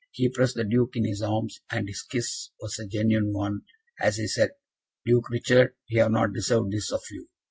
He pressed the Duke in his arms, and his kiss was a genuine one as he said, "Duke Richard, we have not deserved this of you.